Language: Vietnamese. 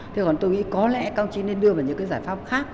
thế còn tôi nghĩ có lẽ công trình nên đưa vào những cái giải pháp khác